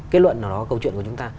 kết luận nào đó câu chuyện của chúng ta